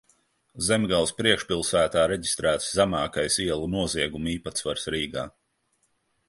Zemgales priekšpilsētā reģistrēts zemākais ielu noziegumu īpatsvars Rīgā.